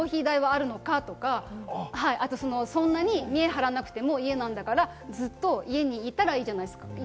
だから缶コーヒー代はあるのか？とか、あとそんなに見栄張らなくても、家なんだから、ずっと家にいたらいいじゃない。